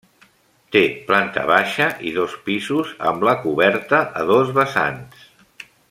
Té planta baixa i dos pisos, amb la coberta a dos vessants.